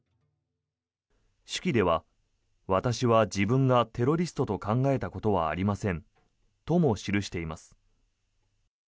手記は私は自分がテロリストと考えたことはありませんとも記しています。